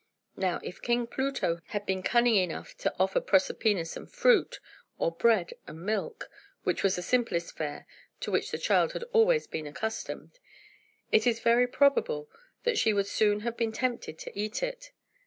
Now, if King Pluto had been cunning enough to offer Proserpina some fruit, or bread and milk (which was the simple fare to which the child had always been accustomed), it is very probable that she would soon have been tempted to eat it.